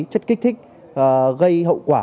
chất kích thích gây hậu quả